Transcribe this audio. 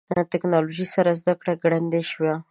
ټکنالوژي سره زدهکړه ګړندۍ شوې.